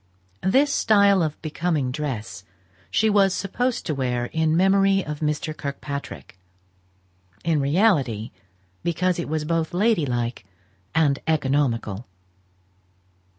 This style of becoming dress she was supposed to wear in memory of Mr. Kirkpatrick; in reality because it was both lady like and economical.